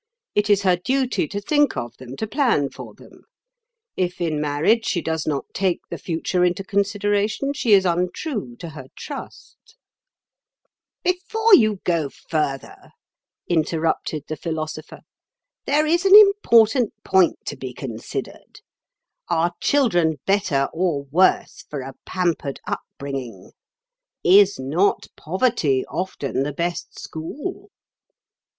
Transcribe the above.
It is her duty to think of them, to plan for them. If in marriage she does not take the future into consideration, she is untrue to her trust." [Picture: Woman has been appointed by Nature the trustee of the children] "Before you go further," interrupted the Philosopher, "there is an important point to be considered. Are children better or worse for a pampered upbringing? Is not poverty often the best school?"